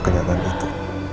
menerima kenyataan itu